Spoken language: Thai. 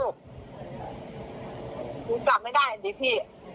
หนูกลับไม่ได้ดิพี่